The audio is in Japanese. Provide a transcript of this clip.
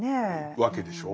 わけでしょう。